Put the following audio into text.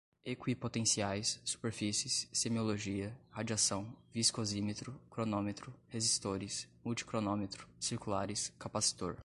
equipotenciais, superfícies, semiologia, radiação, viscosímetro, cronômetro, resistores, multicronômetro, circulares, capacitor